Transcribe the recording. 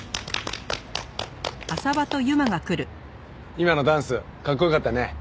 今のダンスかっこよかったね。